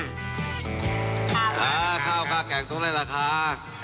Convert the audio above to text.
ข้าวค่าแกงต้องได้ราคา